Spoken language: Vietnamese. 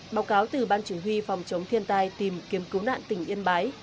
báo cáo từ ban chủ huy phòng chống thiên tai tìm kiếm cứu nạn tỉnh yên bái